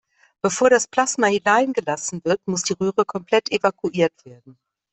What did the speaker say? Bevor das Plasma hineingelassen wird, muss die Röhre komplett evakuiert werden.